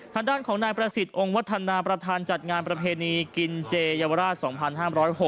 ทางด้านของนายประสิทธิ์องค์วัฒนาประธานจัดงานประเพณีกินเจเยาวราช๒๕๐๖